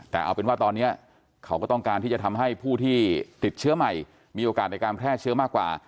แต่เอาเป็นว่าตอนนี้เขาก็ต้องการที่จะทำให้ผู้ที่ติดเชื้อใหม่มีโอกาสในการแพร่เชื้อมากกว่า